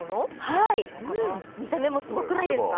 はい見た目もすごくないですか？